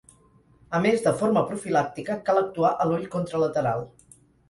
A més, de forma profilàctica, cal actuar a l'ull contralateral.